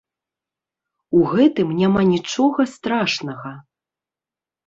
У гэтым няма нічога страшнага.